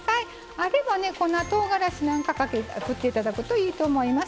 あれば、粉とうがらしなんか振っていただくといいと思います。